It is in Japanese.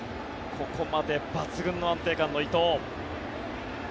ここまで抜群の安定感の伊藤。